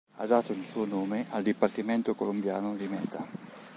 Ha dato il suo nome al dipartimento colombiano di Meta.